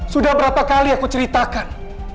sudah berapa kali aku ceritakan